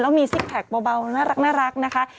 มีซิกแพคเบาน่ารักนะคะ